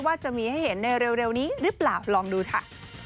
ว่าจะมีให้เห็นในเร็วนี้หรือเปล่าลองดูค่ะ